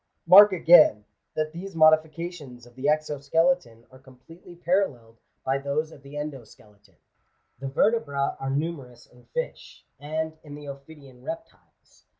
Mark again, that these modifications of the exo skeleton are completely paralleled by those of the endo skeleton. The vertebra are numerous in fish, and in the ophidian reptiles.